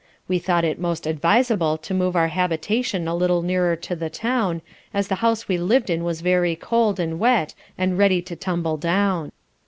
We thought it most adviseable to move our habitation a little nearer to the Town, as the house we lived in was very cold, and wet, and ready to tumble down.